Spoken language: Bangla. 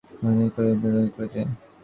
রঘুপতি কহিলেন, তীর্থদর্শন করিতে।